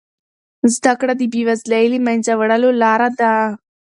زده کړه د بې وزلۍ د له منځه وړلو لاره ده.